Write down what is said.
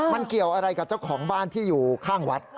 มันเกี่ยวอะไรกับเจ้าของบ้านที่อยู่ข้างวัด